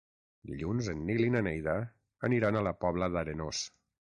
Dilluns en Nil i na Neida aniran a la Pobla d'Arenós.